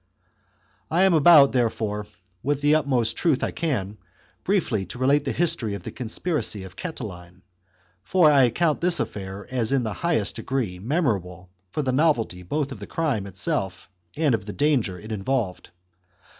1 am about, therefore, with the utmost truth I can, briefly to relate the history of the conspiracy of Catiline, for I account this affair as in the highest degree memorable for the novelty both of the crime itself and of the danger it involved.